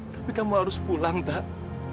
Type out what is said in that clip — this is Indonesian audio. tapi kamu harus pulang tak